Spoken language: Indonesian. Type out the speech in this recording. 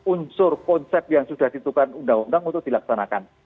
unsur konsep yang sudah ditukar undang undang untuk dilaksanakan